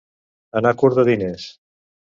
Anar curt de diners.